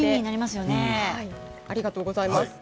ありがとうございます。